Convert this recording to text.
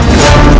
aku akan menang